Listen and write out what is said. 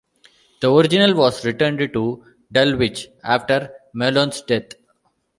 The original was returned to Dulwich after Malone's death.